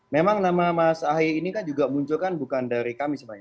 memang nama mas ahy ini kan juga muncul kan bukan dari kami sebenarnya